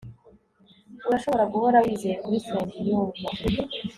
urashobora guhora wizeye kuri nsengiyumva